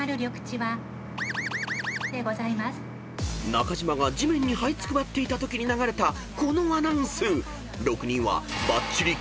［中島が地面にはいつくばっていたときに流れたこのアナウンス］